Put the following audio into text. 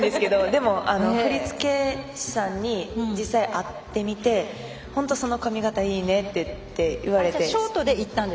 でも振付師さんに実際会ってみてその髪形いいねって言われて。